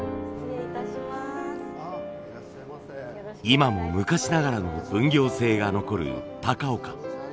今も昔ながらの分業制が残る高岡。